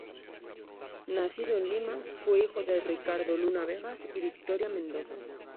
Nacido en Lima, fue hijo de Ricardo Luna Vegas y Victoria Mendoza.